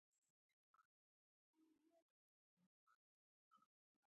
ټاکل شوې سوژه باید دوه مهمې او اساسي ځانګړتیاوې ولري.